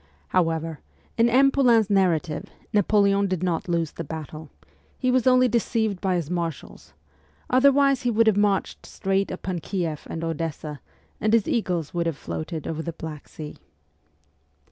However, in M. Poulain's narrative, Napoleon did not lose the battle : he was only deceived by his marshals; otherwise he would have marched straight upon Kieff and Odessa, and his eagles would have floated over the Black Sea.